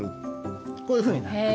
こういうふうになります。